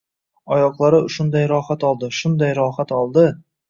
Oyoqlari shunday rohat oldi, shunday rohat oldi!